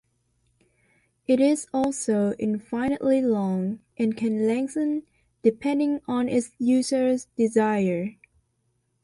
It is also infinitely long, and can lengthen depending on its user's desire.